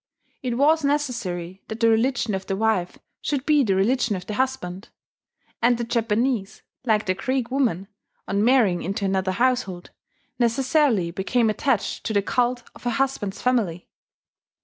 It was necessary that the religion of the wife should be the religion of the husband; and the Japanese, like the Greek woman, on marrying into another household, necessarily became attached to the cult of her husband's family.